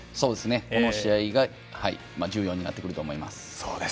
この試合が重要になってくると思います。